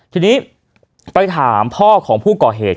ทีนี้ไปถามพ่อของผู้ก่อเหตุ